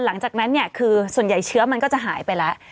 หลังจากนั้นเนี่ยคือส่วนใหญ่เชื้อมันก็จะหายไปแล้ว